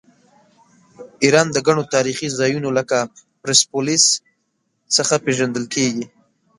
ایران د ګڼو تاریخي ځایونو لکه پرسپولیس څخه پیژندل کیږي.